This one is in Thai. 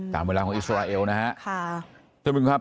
ตามเวลาของอิสราเอลนะครับ